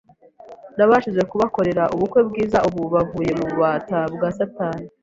nabashije kubakorera ubukwe bwiza ubu bavuye mu bubata bwa satani